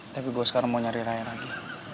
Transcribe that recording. tapi gue sekarang mau nyari raya lagi